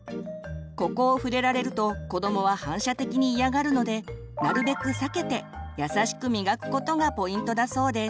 ここを触れられると子どもは反射的に嫌がるのでなるべく避けて優しく磨くことがポイントだそうです。